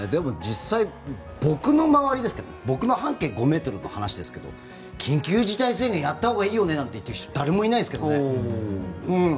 実際、僕の周りですけど僕の半径５ｍの話ですけど緊急事態宣言やったほうがいいよねなんて言っている人誰もいないですけどね。